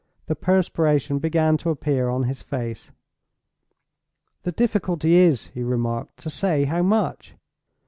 The perspiration began to appear on his face. "The difficulty is," he remarked, "to say how much."